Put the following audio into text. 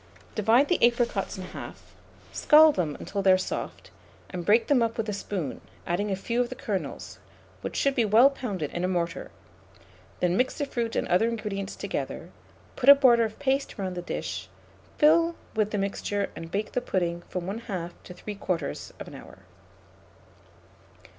Divide the apricots in half, scald them until they are soft, and break them up with a spoon, adding a few of the kernels, which should be well pounded in a mortar; then mix the fruit and other ingredients together, put a border of paste round the dish, fill with the mixture, and bake the pudding from 1/2 to 3/4 hour.